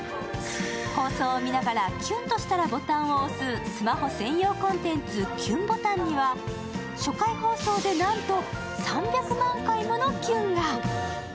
放送を見ながらキュンとしたらボタンを押すスマホ専用コンテンツ「キュンボタン」には初回放送でなんと３００万回ものキュンが。